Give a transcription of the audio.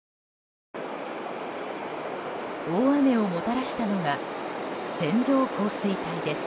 大雨をもたらしたのが線状降水帯です。